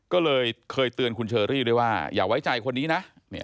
ก็เลยเคยเตือนคุณเชอรี่ด้วยว่าอย่าไว้ใจคนนี้นะ